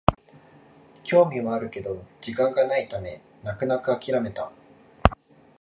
興味はあるけど時間がないため泣く泣くあきらめた